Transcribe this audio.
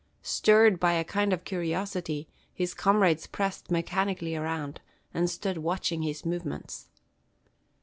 Stirred by a kind of curiosity, his comrades pressed mechanically around, and stood watching his movements.